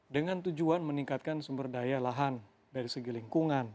dengan tujuan meningkatkan sumber daya lahan dari segi lingkungan